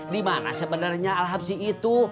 dimana sebenernya alhapsi itu